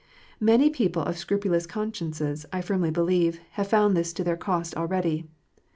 Many people of scrupulous consciences, I firmly believe, have found this to their cost already.